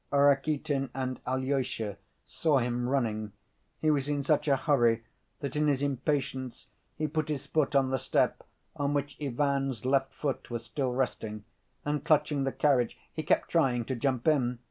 Rakitin and Alyosha saw him running. He was in such a hurry that in his impatience he put his foot on the step on which Ivan's left foot was still resting, and clutching the carriage he kept trying to jump in.